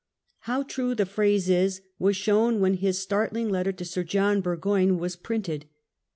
How true the phrase is, was shown when his startling letter to Sir John Burgoyne was printed.